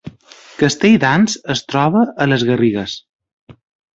Castelldans es troba a les Garrigues